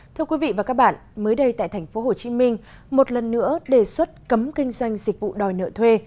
thưa quý vị và các bạn mới đây tại tp hcm một lần nữa đề xuất cấm kinh doanh dịch vụ đòi nợ thuê